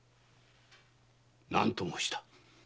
何と申した？